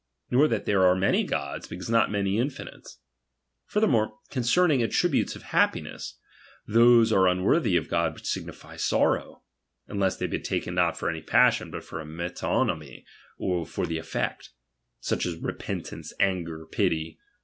^for that there are many Gods ; because not many JTilinites. Furthermore, concerning attributes of herppiness, those are unworthy of God which sig nify sorrow ; (unless they be taken not for any pc».ssion, but, by a metonomy, for the effect) ; such * s repentance, anger, pity.